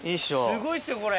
すごいっすよ、これ。